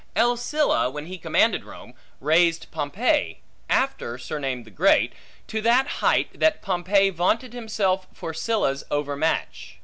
L. Sylla, when he commanded Rome, raised Pompey (after surnamed the Great) to that height, that Pompey vaunted himself for Sylla's overmatch.